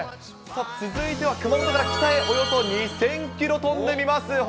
続いては熊本から北へ、およそ２０００キロ飛んでみます。